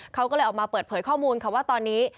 เขาก็เลยออกมาเปิดเผยข้อมูลค่ะว่าตอนนี้